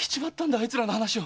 あいつらの話を。